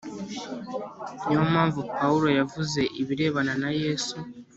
Ni yo mpamvu Pawulo yavuze ibirebana na Yesu